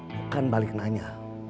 bukan balik nanya